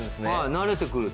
慣れてくると。